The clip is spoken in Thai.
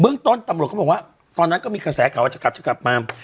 ต้นตำรวจเขาบอกว่าตอนนั้นก็มีกระแสข่าวว่าจะกลับจะกลับมา